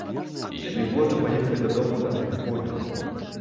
І яны горда паехалі дадому на тых конях.